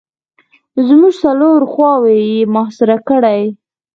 زموږ څلور خواوې یې را محاصره کړلې.